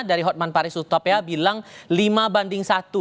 dari hotman paris utop ya bilang lima banding satu